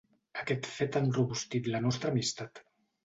Aquest fet ha enrobustit la nostra amistat.